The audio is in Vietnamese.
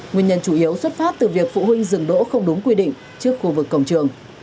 nguyên nhân chủ yếu xuất phát từ việc phụ huynh dừng đỗ không đúng quy định trước khu vực cổng trường